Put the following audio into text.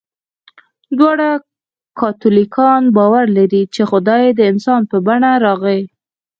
دواړه کاتولیکان باور لري، چې خدای د انسان په بڼه راغی.